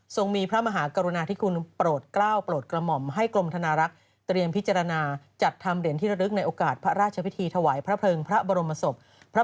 ท่านได้กล่าวอีกว่าในรอบนี้นะคะกรมธนารักษ์นั้นจะเปิดจองเหรียญ๓ประเภทค่ะ